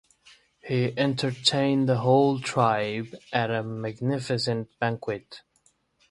He entertained the whole tribe at a magnificent banquet.